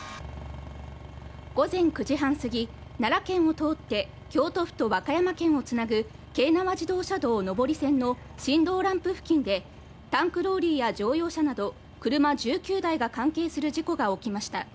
午前９時半過ぎ、奈良県を通って京都府と和歌山県をつなぐ京奈和自動車道・上り線の新堂ランプ付近で、タンクローリーや乗用車など車１９台が関係する事故が起きました。